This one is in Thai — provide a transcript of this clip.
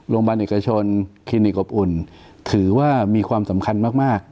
โรงพยาบาลเอกชนคลินิกอบอุ่นถือว่ามีความสำคัญมาก